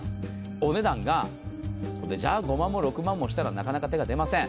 お値段がじゃあ５万も６万もしたらなかなか手が出ません。